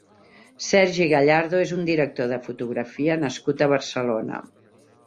Sergi Gallardo és un director de fotografia nascut a Barcelona.